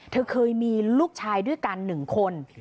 เธอเคยมีลูกชายด้วยกัน๑คน